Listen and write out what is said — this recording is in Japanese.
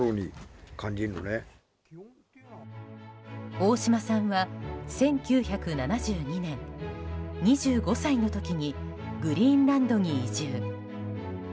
大島さんは１９７２年２５歳の時にグリーンランドに移住。